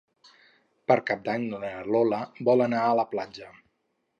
Per Cap d'Any na Lola vol anar a la platja.